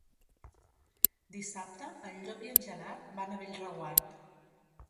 Dissabte en Llop i en Gerard van a Bellreguard.